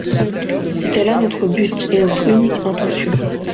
C'était là notre but et notre unique intention.